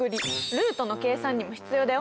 ルートの計算にも必要だよ。